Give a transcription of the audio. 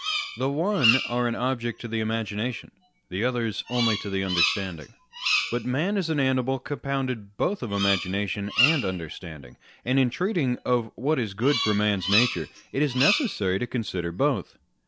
The one are an object to the imagina tion : the others only to the understanding. But man is an animal compounded both of imagination and under standing; and, in treating of what is good for man's natuife, it is necessary to consider both.